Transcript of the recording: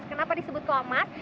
kenapa disebut kawah emas